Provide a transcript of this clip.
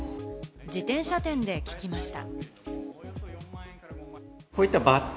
自転車店で聞きました。